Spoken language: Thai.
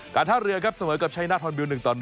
ท่าเรือครับเสมอกับชัยนาธรบิล๑ต่อ๑